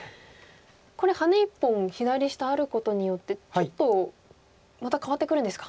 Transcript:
これハネ１本左下あることによってちょっとまた変わってくるんですか。